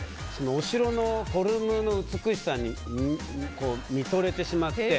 お城のフォルムの美しさに見とれてしまって。